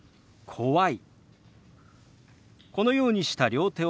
「怖い」。